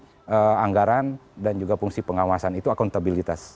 nah kemudian jalankan fungsi anggaran dan juga fungsi pengawasan itu akuntabilitas